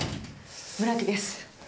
村木です。